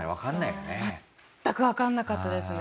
全くわかんなかったですね。